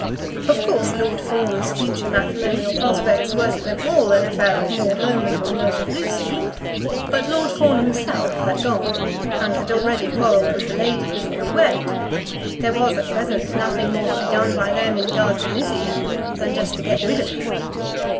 Of course, Lord Fawn's future matrimonial prospects were to them all an affair of more moment than those of Lucy; but Lord Fawn himself had gone, and had already quarrelled with the lady before he went. There was at present nothing more to be done by them in regard to Lizzie, than just to get rid of her.